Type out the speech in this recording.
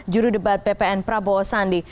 juru debat ppn prabowo sandi